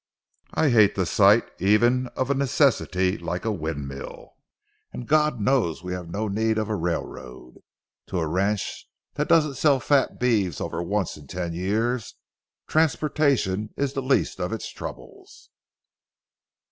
I hate the sight even of a necessity like a windmill, and God knows we have no need of a railroad. To a ranch that doesn't sell fat beeves over once in ten years, transportation is the least of its troubles."